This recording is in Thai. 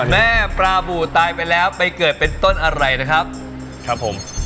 แม่ปลาบูตายไปแล้วไปเกิดเป็นต้นอะไรนะครับครับผม